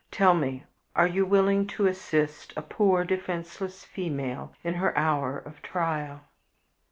Tell me, are you willing to assist a poor, defenseless female in her hour of trial?"